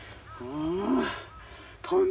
うん。